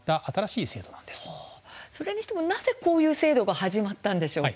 それにしてもなぜこういう制度が始まったんでしょうか。